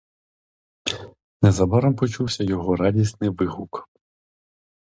Незабаром почувся його радісний вигук.